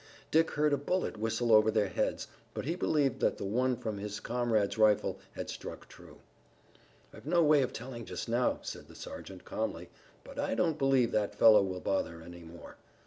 Dick heard a bullet whistle over their heads, but he believed that the one from his comrade's rifle had struck true. "I've no way of telling just now," said the sergeant, calmly, "but I don't believe that fellow will bother any more.